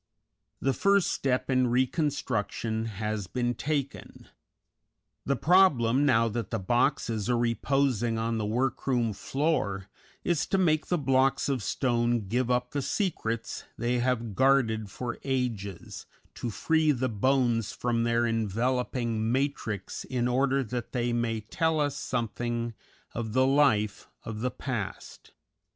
The first step in reconstruction has been taken; the problem, now that the boxes are reposing on the work room floor, is to make the blocks of stone give up the secrets they have guarded for ages, to free the bones from their enveloping matrix in order that they may tell us something of the life of the past.